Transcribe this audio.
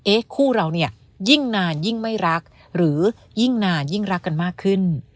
คู่เราเนี่ยยิ่งนานยิ่งไม่รักหรือยิ่งนานยิ่งรักกันมากขึ้น